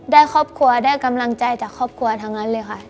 ได้ครอบครัวได้กำลังใจจากครอบครัวทั้งนั้นเลยค่ะ